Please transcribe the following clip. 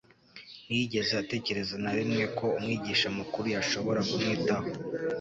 ntiyigeze atekereza na rimwe ko Umwigisha mukuru yashobora kumwitaho'.